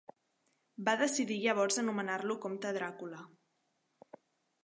Va decidir llavors anomenar-lo comte Dràcula.